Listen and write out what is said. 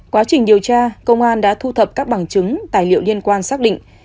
quá trình điều tra công an đã thu thập các bằng chứng tài liệu liên quan xác định